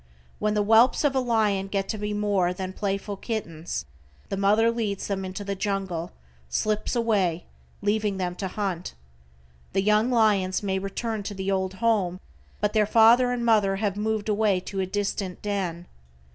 When the whelps of a lion get to be more than playful kittens, the mother leads them into the jungle, slips away, leaving them to hunt. The young lions may return to the old home, but their father and mother have moved away to a distant den.